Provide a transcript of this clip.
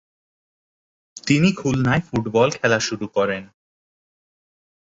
তিনি খুলনায় ফুটবল খেলা শুরু করেন।